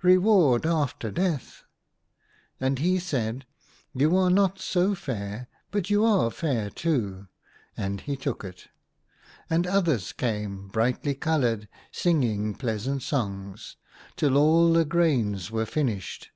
Reward after Death !" And he said —" You are not so fair ; but you are fair too," and he took it. And others came, brightly coloured, singing pleasant songs, till all the grains were finished.